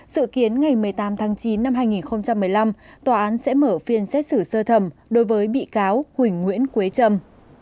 sự kiến ngày một mươi tám tháng chín năm hai nghìn một mươi năm tòa án sẽ mở phiên xét xử sơ thẩm đối với bị cáo huỳnh nguyễn quế trâm